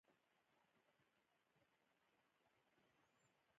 هغه غواړي له اومو موادو څخه توکي تولید کړي